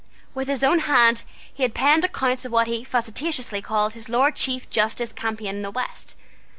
With his own hand he had penned accounts of what he facetiously called his Lord Chief Justice's campaign in the West.